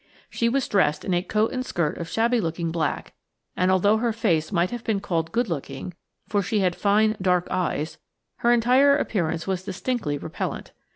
She was dressed in a coat and skirt of shabby looking black, and although her face might have been called good looking–for she had fine, dark eyes–her entire appearance was distinctly repellent.